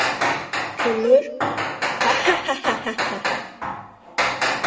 -كۆمۈر. ھا ھا ھا. ھا ھا!